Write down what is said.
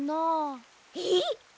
えっ！